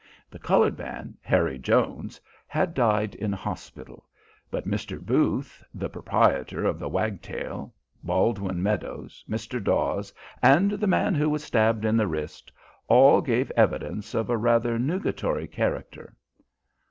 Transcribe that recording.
The coloured man, Harry Jones, had died in hospital, but Mr. Booth, the proprietor of the Wagtail, Baldwin Meadows, Mr. Dawes, and the man who was stabbed in the wrist, all gave evidence of a rather nugatory character.